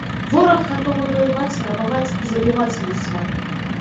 Вораг, гатовы ваяваць, рабаваць і забіваць нас з вамі.